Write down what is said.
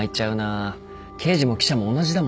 刑事も記者も同じだもんね。